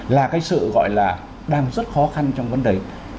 là cái sự gọi là đang rất khó khăn trong vấn đề